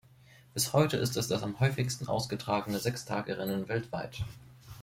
Bis heute ist es das am häufigsten ausgetragene Sechstagerennen weltweit.